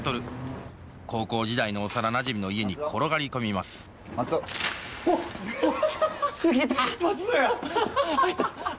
高校時代の幼なじみの家に転がり込みますうわっ！